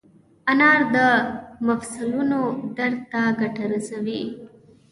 انار د مفصلونو درد ته ګټه رسوي.